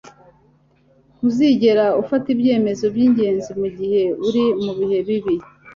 ntuzigere ufata ibyemezo byingenzi mugihe uri mubihe bibi